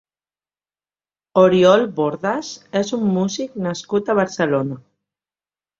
Oriol Bordas és un músic nascut a Barcelona.